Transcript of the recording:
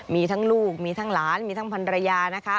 มีทั้งลูกมีทั้งหลานมีทั้งพันรยานะคะ